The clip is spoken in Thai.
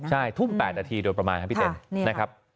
ใช่ทุ่ม๘นาทีโดยประมาณครับพี่เต็ม